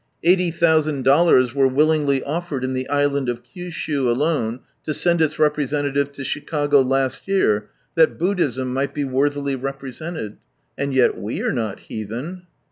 Eighty thousand dollars were willingly offered in the Island of Kiushiu alone to send its representatives to Chicago last year, that Buddhism might be worthily represented. And yet we are not " heathen